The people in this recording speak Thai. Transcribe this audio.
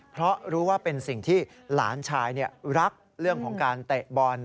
เพราะรู้ว่าเป็นสิ่งที่หลานชายรักเรื่องของการเตะบอล